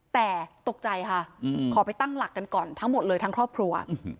แต่ตกใจค่ะขอไปตั้งหลักกันก่อนทั้งหมดเลยทั้งครอบครัว